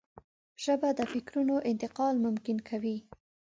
ژبه د فکرونو انتقال ممکن کوي